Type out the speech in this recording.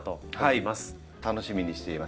楽しみにしています。